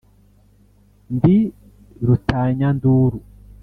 ndi rutanyanduru